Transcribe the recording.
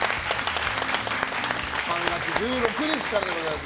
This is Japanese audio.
３月１６日からでございます。